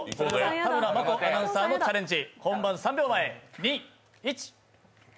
田村真子アナウンサーのチャレンジ。